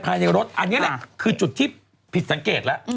อันนี้แหละคือจุดที่ผิดสังเกตแล้ว